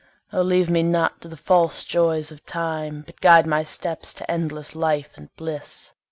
O leave me not to the false joys of time! But guide my steps to endless life and bliss.